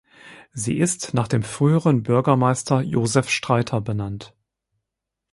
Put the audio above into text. Sie ist nach dem früheren Bürgermeister Joseph Streiter benannt.